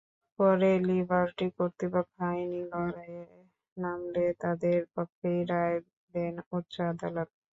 পরে লিবার্টি কর্তৃপক্ষ আইনি লড়াইয়ে নামলে তাদের পক্ষেই রায় দেন উচ্চ আদালত।